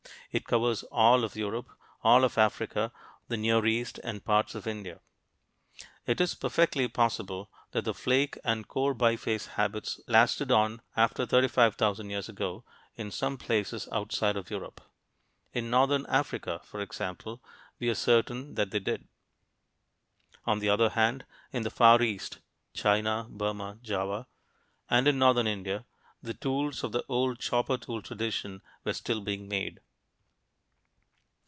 It covers all of Europe, all of Africa, the Near East, and parts of India. It is perfectly possible that the flake and core biface habits lasted on after 35,000 years ago, in some places outside of Europe. In northern Africa, for example, we are certain that they did (see chart, p. 72). On the other hand, in the Far East (China, Burma, Java) and in northern India, the tools of the old chopper tool tradition were still being made.